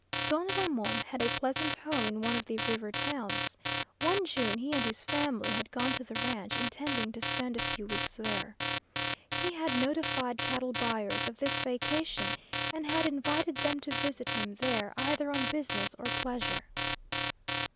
Don Ramon had a pleasant home in one of the river towns. One June he and his family had gone to the ranch, intending to spend a few weeks there. He had notified cattle buyers of this vacation, and had invited them to visit him there either on business or pleasure.